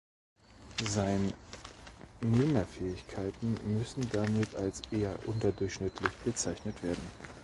Sein Nehmerfähigkeiten müssen damit als eher unterdurchschnittlich bezeichnet werden.